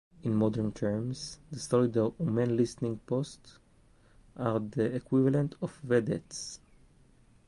In modern terms, the soldiers who man listening-posts are the equivalent of vedettes.